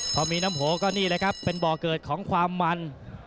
พอมีน้ำโหก็นี่แหละครับเป็นบ่อเกิดของความมัน